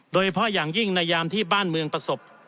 โดยเฉพาะอย่างยิ่งในยามที่บ้านเมืองประสบ